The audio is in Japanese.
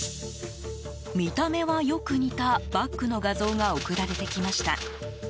見た目はよく似たバッグの画像が送られてきました。